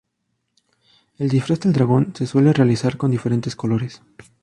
El disfraz del dragón se suele realizar con diferentes colores.